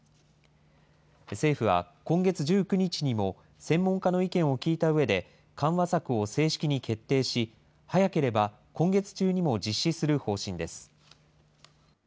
政府は、今月１９日にも専門家の意見を聴いたうえで、緩和策を正式に決定し、早ければ今月中にも実施する方針です。